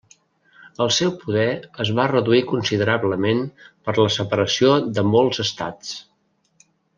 El seu poder es va reduir considerablement per la separació de molts estats.